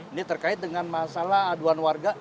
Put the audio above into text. ini terkait dengan masalah aduan warga